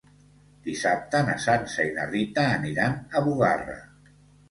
Dissabte na Sança i na Rita aniran a Bugarra.